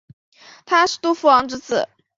他是杜夫王之子。